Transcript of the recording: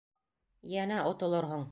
Йәнә отолорһоң!